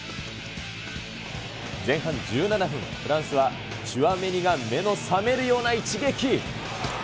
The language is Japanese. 前半１７分、フランスはチュワメニが目の覚めるような一撃。